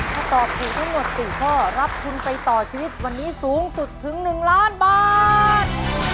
ถ้าตอบถูกทั้งหมด๔ข้อรับทุนไปต่อชีวิตวันนี้สูงสุดถึง๑ล้านบาท